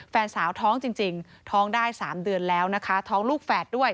แฟนสาวท้องจริงท้องได้๓เดือนแล้วนะคะท้องลูกแฝดด้วย